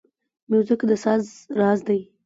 موزیک د ساز راز دی.